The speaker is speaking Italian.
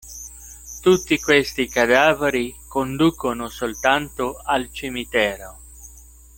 Tutti questi cadaveri conducono soltanto al cimitero.